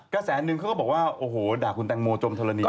แสนนึงเขาก็บอกว่าโอ้โหด่าคุณแตงโมจมธรณี